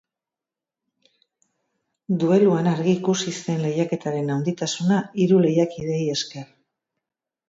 Dueluan argi ikusi zen lehiaketaren handitasuna hiru lehiakideei esker.